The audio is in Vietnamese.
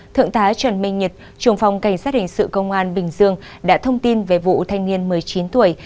thượng tá trần minh nhật trường phòng cảnh sát hình sự công an bình dương đã thông tin về vụ thanh niên một mươi chín tuổi